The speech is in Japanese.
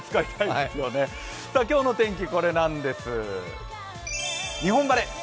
今日の天気、これなんです。